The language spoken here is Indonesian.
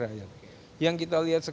bagaimana mewujudkan partai politik modern